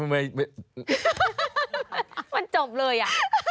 มันจบเลยอ่ะ